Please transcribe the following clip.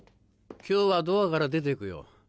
今日はドアから出てくよ。